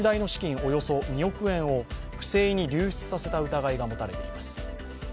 およそ２億円を不正に流出させた疑いが持たれています。